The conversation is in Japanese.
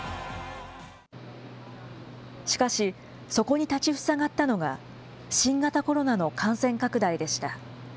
しかし、そこに立ちふさがったのが、新型コロナの感染拡大でした。